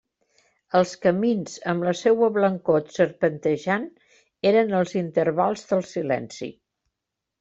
Els camins, amb la seua blancor serpentejant, eren els intervals del silenci.